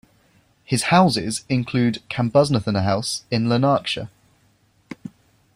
His houses include Cambusnethan House in Lanarkshire.